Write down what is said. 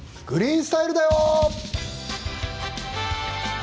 「グリーンスタイル」だよ。